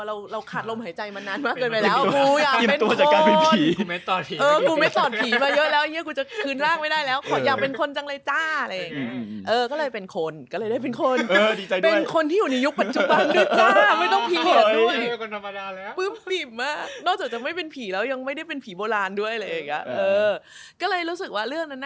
เราเราขาดลมหายใจมานานมากเกินไปแล้ว